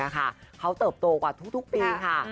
เขาเติบโตกว่าทุกปีค่ะ